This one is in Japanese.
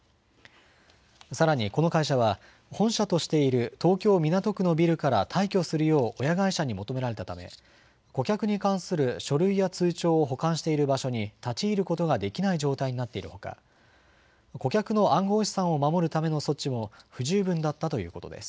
さらに、この会社は本社としている東京港区のビルから退去するよう親会社に求められたため顧客に関する書類や通帳を保管している場所に立ち入ることができない状態になっているほか顧客の暗号資産を守るための措置も不十分だったということです。